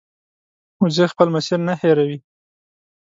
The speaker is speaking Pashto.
وزې خپل مسیر نه هېروي